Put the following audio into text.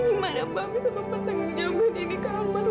gimana mbak bisa mempertanggung jawabannya di kamar rumah ibu